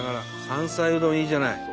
山菜うどんいいじゃない！